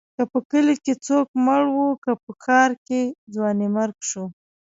که په کلي کې څوک مړ و، که په ښار کې ځوانيمرګ شو.